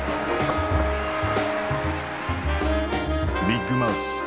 「ビッグマウス」。